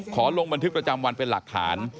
ลงบันทึกประจำวันเป็นหลักฐาน